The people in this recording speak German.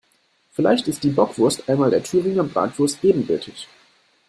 Vielleicht ist die Bockwurst einmal der Thüringer Bratwurst ebenbürtig.